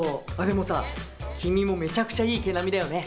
でもさ君もめちゃくちゃいい毛並みだよね。